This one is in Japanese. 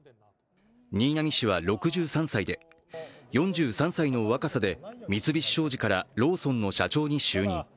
新浪氏は６３歳で、４３歳の若さで三菱商事からローソンの社長に就任。